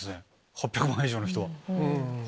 ８００万以上の人は。